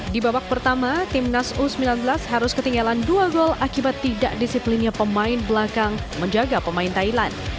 di babak pertama timnas u sembilan belas harus ketinggalan dua gol akibat tidak disiplinnya pemain belakang menjaga pemain thailand